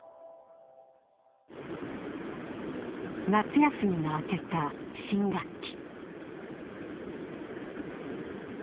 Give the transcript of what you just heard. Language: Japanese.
夏休みが明けた新学期。